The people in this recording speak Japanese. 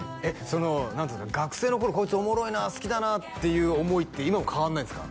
その何ていうんですか学生の頃こいつおもろいな好きだなっていう思いって今も変わんないんですか？